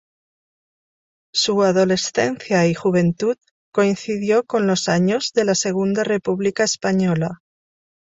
Su adolescencia y juventud coincidió con los años de la Segunda República Española.